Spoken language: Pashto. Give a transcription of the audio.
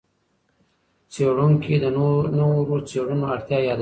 څېړونکي د نورو څېړنو اړتیا یادوي.